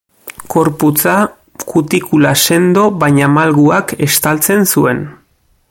Gorputza kutikula sendo baina malguak estaltzen zuen.